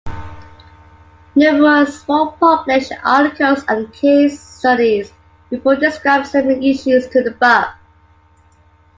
Numerous small published articles and case studies report describe similar issues to the above.